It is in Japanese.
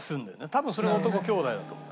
多分それが男兄弟だと思う。